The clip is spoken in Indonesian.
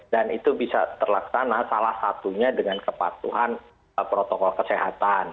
dan itu bisa terlaksana salah satunya dengan kepatuhan protokol kesehatan